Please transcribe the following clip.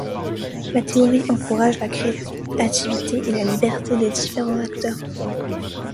La théorie encourage la créativité et la liberté des différents acteurs.